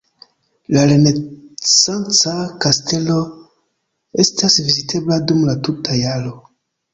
La renesanca kastelo estas vizitebla dum la tuta jaro.